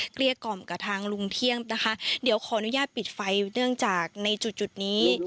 เกี้ยกล่อมกับทางลุงเที่ยงนะคะเดี๋ยวขออนุญาตปิดไฟเนื่องจากในจุดนี้